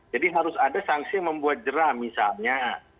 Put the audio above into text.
jadi harus ada sanksi membuat jerah misalnya